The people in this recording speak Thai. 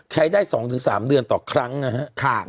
ใช้ได้๒๓เดือนต่อครั้งนะครับ